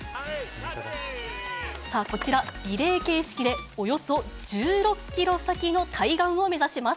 さあ、こちら、リレー形式で、およそ１６キロ先の対岸を目指します。